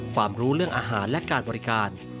ความรู้เรื่องอาหารและการบริการ